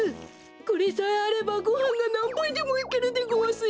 これさえあればごはんがなんばいでもいけるでごわすよ。